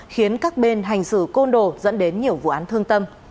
khiến các bên hành xử côn đồ dẫn đến nhiều vụ án thương tâm